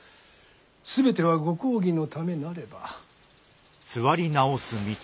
全てはご公儀のためなれば。